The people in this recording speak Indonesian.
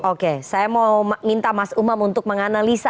oke saya mau minta mas umam untuk menganalisa